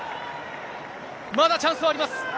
まだチャンスはあります。